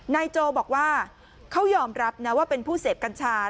นายโจบอกว่าเขายอมรับนะว่าเป็นผู้เสพกัญชา